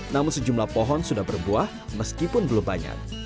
namun sejumlah pohon sudah berbuah meskipun belum banyak